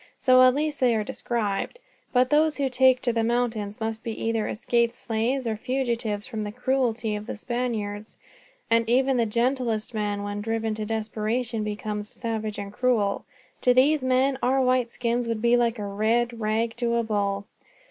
So at least they are described. But those who take to the mountains must be either escaped slaves, or fugitives from the cruelty of the Spaniards; and even the gentlest man, when driven to desperation, becomes savage and cruel. To these men our white skins would be like a red rag to a bull.